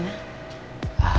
mas al dimana